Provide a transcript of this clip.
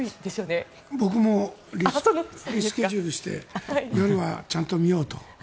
僕もリスケジュールして夜はちゃんと見ようと。